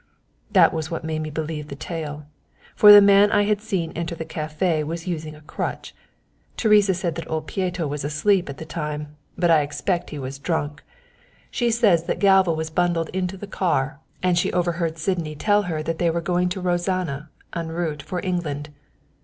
"That was what made me believe the tale, for the man I had seen enter the café was using a crutch. Teresa said that Pieto was asleep at the time, but I expect he was drunk. She says that Galva was bundled into the car, and she overheard Sydney tell her that they were going to Rozana en route for England.